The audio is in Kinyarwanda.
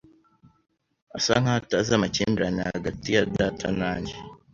Asa nkaho atazi amakimbirane hagati ya data na njye.